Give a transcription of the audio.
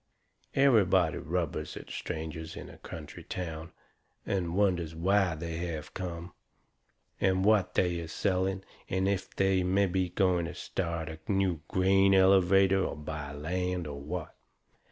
Everybody rubbers at strangers in a country town, and wonders why they have come, and what they is selling, and if they are mebby going to start a new grain elevator, or buy land, or what.